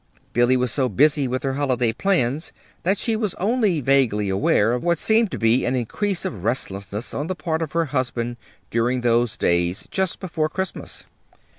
Billy was so busy with her holiday plans that she was only vaguely aware of what seemed to be an increase of restlessness on the part of her husband during those days just before Christmas.